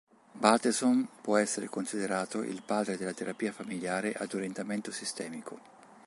Bateson può essere considerato il padre della terapia familiare ad orientamento sistemico.